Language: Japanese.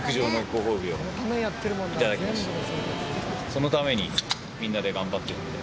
そのためにみんなで頑張ってるんで。